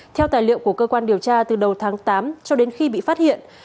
theo tài liệu của cơ quan điều tra từ đầu tháng tám cho đến khi bị phát hiện